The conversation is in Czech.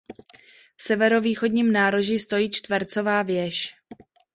V severovýchodním nároží stojí čtvercová věž.